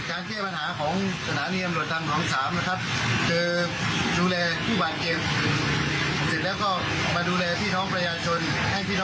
อาจจะมีอะไรแทนเข้าไปตรงนี้